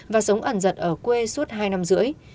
và sống ẩn giật ở quê suốt hai năm rưỡi